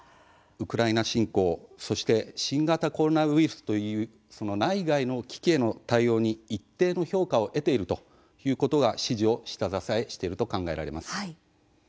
ウクライナ侵攻そして新型コロナウイルスという内外の危機への対応に、一定の評価を得ているということが支持を下支えしていると考えられます。